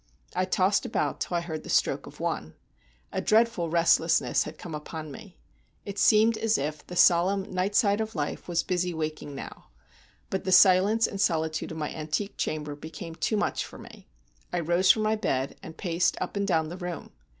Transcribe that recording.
I tossed about till I heard the stroke of one. A dreadful restlessness had come upon me. It seemed as if the solemn night side of life was busy waking now, but the silence and solitude of my antique chamber became too much for me. I rose from my bed, and paced up and down the room.